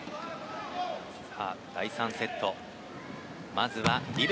第３セットです。